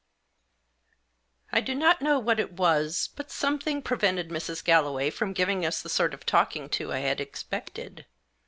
I DO not know what it was, but something prevented Mrs. Galloway from giving us the sort of talking to I had expected.